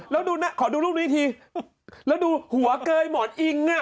แล้วดูนะขอดูรูปนี้ทีแล้วดูหัวเกยหมอนอิงอ่ะ